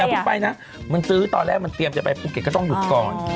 อยากพูดไปนะเธอซื้อตอนแรกเธอจะไปที่ภูเกตก็ต้องหยุดก่อน